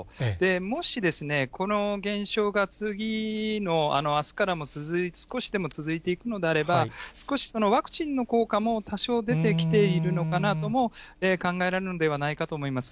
もしこの現象が、次の、あすからも少しでも続いていくのであれば、少しワクチンの効果も、多少出てきているのかなとも考えられるのではないかと思います。